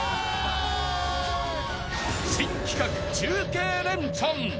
新企画、中継レンチャン。